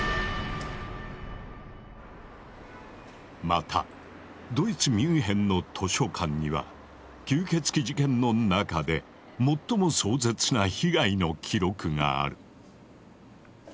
またドイツ・ミュンヘンの図書館には吸血鬼事件の中で最も壮絶な被害の記録がある。